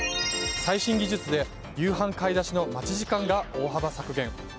最新技術で夕飯買い出しの待ち時間が大幅削減。